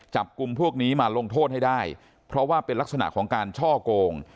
จับกลุ่มพวกนี้มาลงโทษให้ได้เพราะว่าเป็นลักษณะของการช่อโกง